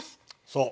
そう。